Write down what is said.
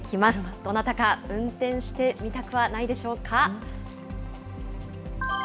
どなたか、運転してみたくはないでしょうか。